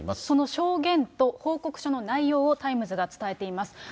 その証言と報告書の内容をタイムズが伝えています。